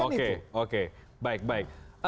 oke oke baik baik